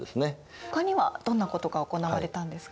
ほかにはどんなことが行われたんですか？